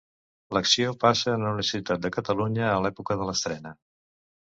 L'acció passa en una ciutat de Catalunya, a l'època de l'estrena.